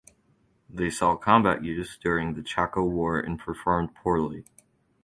They saw combat use during the Chaco War and performed poorly.